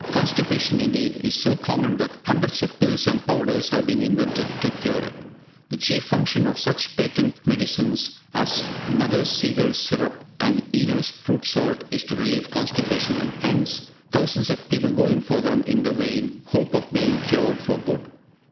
Constipation, indeed, is so common that hundreds of pills and powders have been invented to cure it. The chief function of such patent medicines as Mother Siegel's Syrup and Eno's Fruit salt is to relieve constipation, and hence thousands of people go in for them in the vain hope of being cured for good.